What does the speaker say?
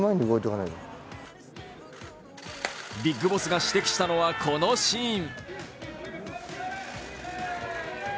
ビッグボスが指摘したのはこのシーン。